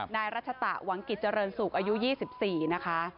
นายรัชตะหวังกิจเจริญสุขอายุ๒๔นะคะ